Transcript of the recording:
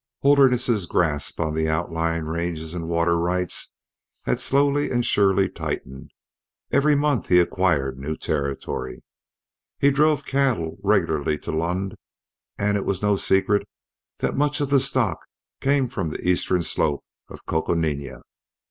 Holderness's grasp on the outlying ranges and water rights had slowly and surely tightened; every month he acquired new territory; he drove cattle regularly to Lund, and it was no secret that much of the stock came from the eastern slope of Coconina.